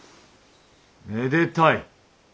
めでたい。